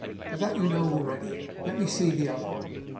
But that you know already. Let me see the other.